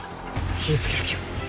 火ぃつける気や。